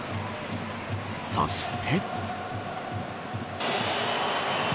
そして。